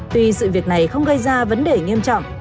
tuy sự việc này không gây ra vấn đề nghiêm trọng